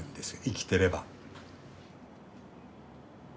生きてれば。